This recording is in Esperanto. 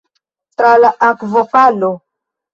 Tra la akvofalo?